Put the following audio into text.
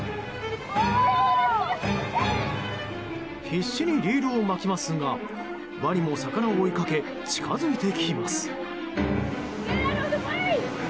必死にリールを巻きますがワニも魚を追いかけ近づいてきます。